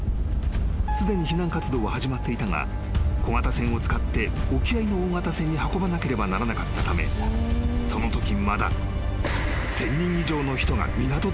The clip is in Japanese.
［すでに避難活動は始まっていたが小型船を使って沖合の大型船に運ばなければならなかったためそのとき］